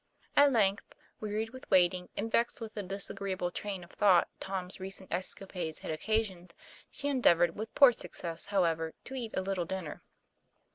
At length, wearied with waiting, and vexed with the disagreeable train of thought Tom's recent esca pades had occasioned, she endeavored, with poor success, however, to eat a little dinner.